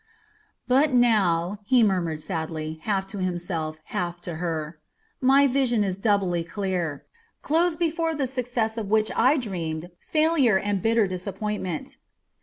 "But now," he murmured sadly, half to himself, half to, her, "my vision is doubly clear. Close before the success of which I dreamed failure and bitter disappointment."